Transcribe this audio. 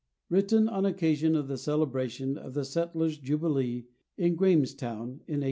_ (_Written on occasion of the celebration of the Settlers' Jubilee in Grahamstown, in 1870.